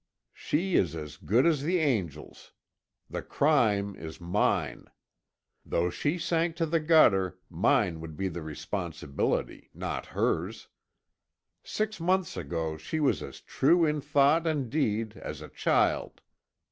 She is as good as the angels. The crime is mine. Though she sank to the gutter, mine would be the responsibility, not her's. Six months ago she was as true in thought and deed as a child.